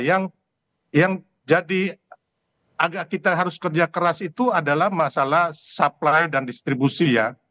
yang jadi agak kita harus kerja keras itu adalah masalah supply dan distribusi ya